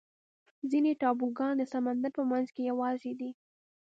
ځینې ټاپوګان د سمندر په منځ کې یوازې دي.